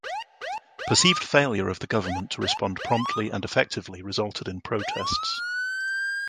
Perceived failure of the government to respond promptly and effectively resulted in protests.